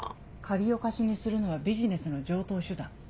借りを貸しにするのはビジネスの常套手段。